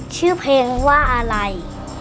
ชื่อเพลงว่าอะไร